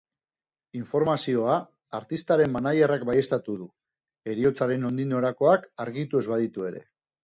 Informazioa artistaren managerrak baieztatu du, heriotzaren nondik norakoak argitu ez baditu ere.